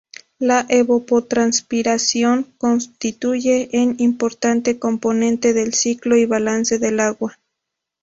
La evapotranspiración constituye un importante componente del ciclo y balance del agua.